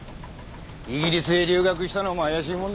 イギリスへ留学したのも怪しいもんだ。